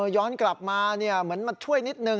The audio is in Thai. ย้อนกลับมาเหมือนมาช่วยนิดนึง